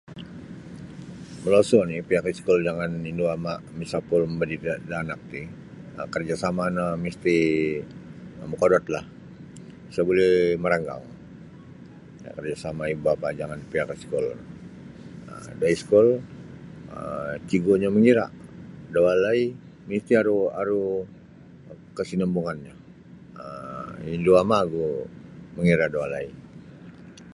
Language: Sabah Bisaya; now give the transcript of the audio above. Molosu oni pihak iskul jangan indu ama misapul mamadidik da anak ti um kerjasama no misti mokodot lah isa buli maranggang karjasama ibu bapa jangan pihak iskul um da iskul um cigunyo mangira da walai misti aru aru kasinambunganyo um indu ama ogu mangira da walai.